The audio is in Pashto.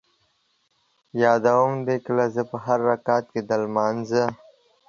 یادوم دې ګله زه ـ په هر رکعت کې د لمانځه